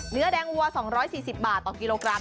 เนื้อแดงวัว๒๔๐บาทต่อกิโลกรัม